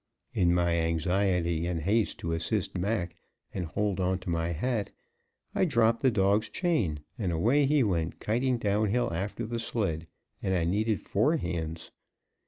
In my anxiety and haste to assist Mac, and hold on to my hat, I dropped the dog's chain, and away he went kiting down hill after the sled; and I needed four hands.